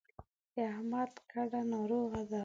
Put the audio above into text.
د احمد کډه ناروغه ده.